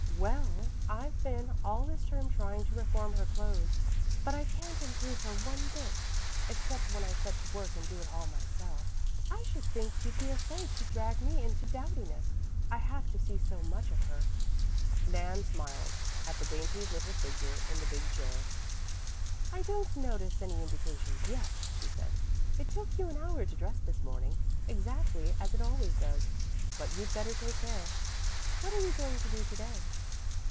"Well, I've been all this term trying to reform her clothes, but I can't improve her one bit, except when I set to work and do it all myself. I should think you'd be afraid she'd drag me into dowdiness, I have to see so much of her." Nan smiled at the dainty little figure in the big chair. "I don't notice any indications yet," she said. "It took you an hour to dress this morning, exactly as it always does. But you'd better take care. What are you going to do to day?"